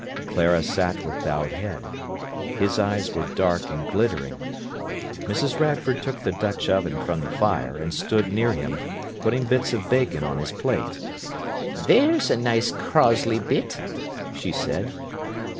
Clara sat with bowed head. His eyes were dark and glittering. Mrs. Radford took the Dutch oven from the fire, and stood near him, putting bits of bacon on his plate. "There's a nice crozzly bit!" she said.